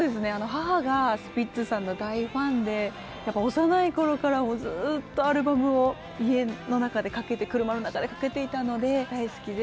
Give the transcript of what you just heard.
母がスピッツさんの大ファンで幼い頃からもうずっとアルバムを家の中でかけて車の中でかけていたので大好きで。